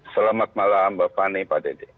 selamat malam mbak fani pak dede